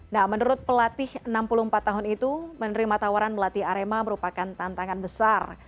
nah menurut pelatih enam puluh empat tahun itu menerima tawaran melatih arema merupakan tantangan besar